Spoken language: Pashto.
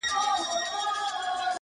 • څلوېښتم کال دی ـ